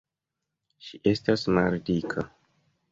Ŝi estas maldika.